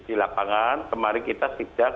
di lapangan kemarin kita sejak